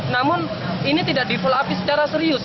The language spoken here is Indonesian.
namun ini tidak di follow up secara serius